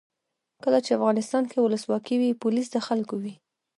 کله چې افغانستان کې ولسواکي وي پولیس د خلکو وي.